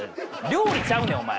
料理ちゃうねんお前。